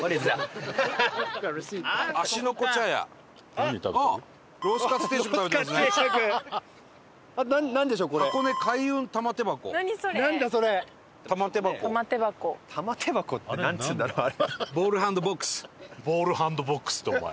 富澤：ボールハンドボックスって、お前。